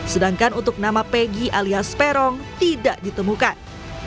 sedangkan untuk nama pegi alias peron tidak ditemukan